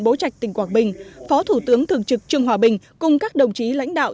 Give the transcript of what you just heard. bố trạch tỉnh quảng bình phó thủ tướng thường trực trương hòa bình cùng các đồng chí lãnh đạo